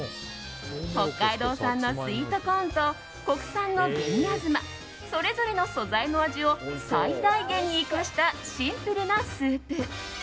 北海道産のスイートコーンと国産の紅あずまそれぞれの素材の味を最大限に生かしたシンプルなスープ。